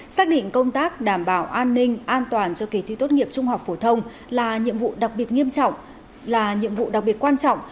xác định công tác đảm bảo an ninh an toàn cho kỳ thi tốt nghiệp trung học phổ thông là nhiệm vụ đặc biệt quan trọng